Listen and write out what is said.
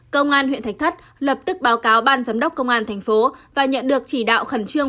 công an huyện thạch thất lập tức báo cáo ban giám đốc công an thành phố và nhận được chỉ đạo khẩn trương